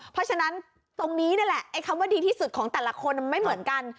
เพราะฉะนั้นตรงนี้นั่นแหละไอ้คำว่าดีที่สุดของแต่ละคนไม่เหมือนกัน